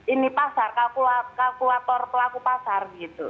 ini pasar kalkulator pelaku pasar gitu